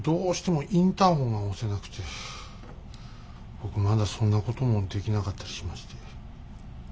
僕まだそんなこともできなかったりしまして。